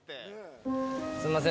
すいません